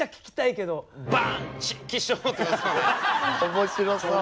面白そう。